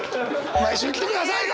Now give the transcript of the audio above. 毎週来てください！